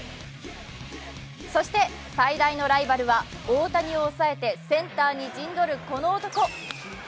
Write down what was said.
そして、最大のライバルは大谷を抑えてセンターに陣取るこの男。